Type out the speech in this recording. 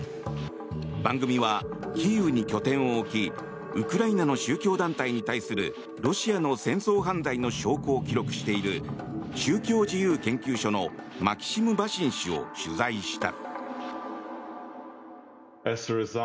番組はキーウに拠点を置きウクライナの宗教団体に対するロシアの戦争犯罪の証拠を記録している宗教自由研究所のマキシム・ヴァシン氏を取材した。